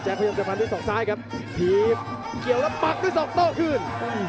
พยายามจะฟันด้วยศอกซ้ายครับถีบเกี่ยวแล้วปักด้วยศอกโต้คืน